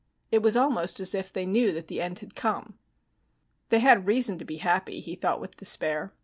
It was almost as if they knew that the end had come. They had reason to be happy, he thought with despair.